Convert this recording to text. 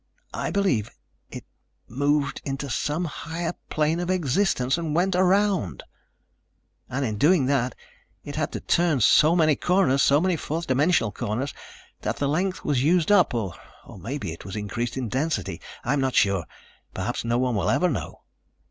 I believe it moved into some higher plane of existence and went around. And in doing that it had to turn so many corners, so many fourth dimensional corners, that the length was used up. Or maybe it was increased in density. I'm not sure. Perhaps no one will ever know."